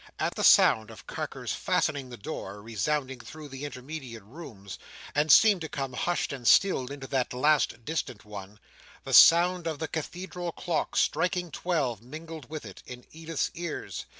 As the sound of Carker's fastening the door resounded through the intermediate rooms, and seemed to come hushed and stilled into that last distant one, the sound of the Cathedral clock striking twelve mingled with it, in Edith's ears.